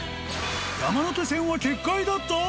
山手線は結界だった？